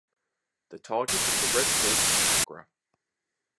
The target was the Red Fort of Agra.